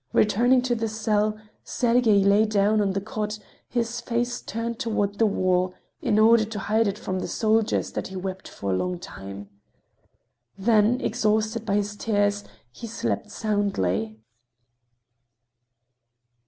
Returning to the cell, Sergey lay down on the cot, his face turned toward the wall, in order to hide it from the soldiers, and he wept for a long time. Then, exhausted by his tears, he slept soundly.